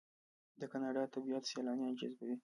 د کاناډا طبیعت سیلانیان جذبوي.